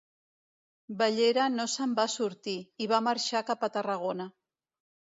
Bellera no se'n va sortir, i va marxar cap a Tarragona.